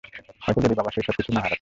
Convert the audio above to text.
হয়তো, যদি বাবা সেই সবকিছু না হারাতো।